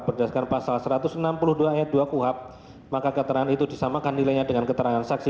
berdasarkan pasal satu ratus enam puluh dua ayat dua kuhab maka keterangan itu disamakan nilainya dengan keterangan saksi